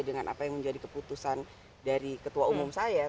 dengan apa yang menjadi keputusan dari ketua umum saya